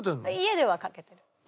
家では掛けてる。